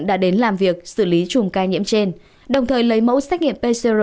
đã đến làm việc xử lý chùm ca nhiễm trên đồng thời lấy mẫu xét nghiệm pcr